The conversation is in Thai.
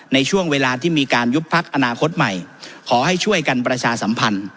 ในช่วงเวลาที่มีการยุบพักอนาคตใหม่ขอให้ช่วยกันประชาสัมพันธ์